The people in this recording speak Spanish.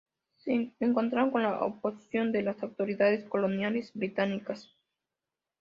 Se encontraron con la oposición de las autoridades coloniales británicas.